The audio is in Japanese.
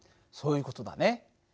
そういう事だね。